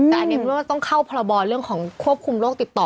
แต่อันนี้เพราะว่าต้องเข้าพรบเรื่องของควบคุมโรคติดต่อ